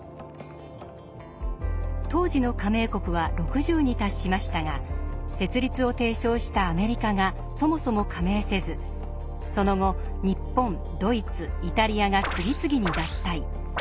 当時の加盟国は６０に達しましたが設立を提唱したアメリカがそもそも加盟せずその後日本ドイツイタリアが次々に脱退。